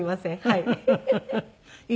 はい。